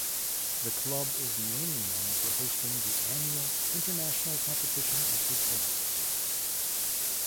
The club is mainly known for hosting the annual "International Competition of Bouquets".